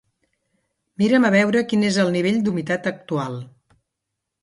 Mira'm a veure quin és el nivell d'humitat actual.